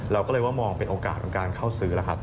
เราก็เลยว่ามองเป็นโอกาสของการเข้าซื้อแล้วครับ